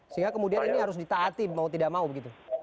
sehingga kemudian ini harus ditaati mau tidak mau begitu